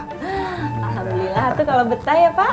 alhamdulillah tuh kalo betah ya pak